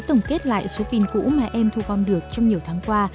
tổng kết lại số pin cũ mà em thu gom được trong nhiều tháng qua